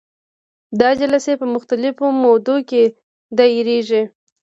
دا جلسې په مختلفو مودو کې دایریږي.